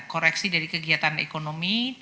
koreksi dari kegiatan ekonomi